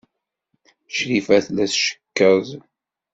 Crifa tella tcekkeḍ.